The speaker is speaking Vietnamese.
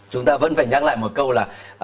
chúng ta vẫn phải nhắc lại một câu là